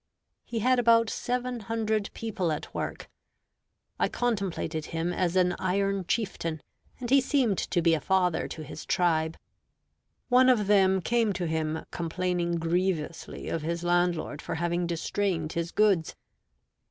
He had about seven hundred people at work. I contemplated him as an iron chieftain, and he seemed to be a father to his tribe. One of them came to him, complaining grievously of his landlord for having distrained his goods.